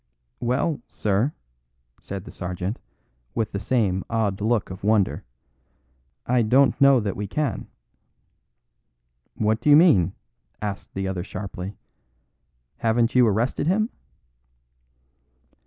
"Well, sir," said the sergeant, with the same odd look of wonder, "I don't know that we can." "What do you mean?" asked the other sharply. "Haven't you arrested him?"